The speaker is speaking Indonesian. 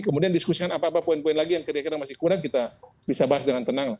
kemudian diskusikan apa apa poin poin lagi yang kira kira masih kurang kita bisa bahas dengan tenang